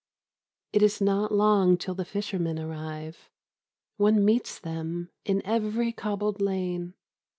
It is not long till the fishermen arrive. One meets them in every cobbled lane.